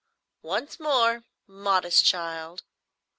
"Once more, modest child!"